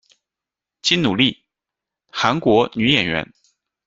金努莉，韩国女演员。